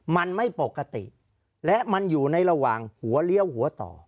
มันไม่ปกติและมันอยู่ในระหว่างหัวเลี้ยวหัวต่อ